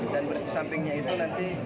dan bersampingnya itu nanti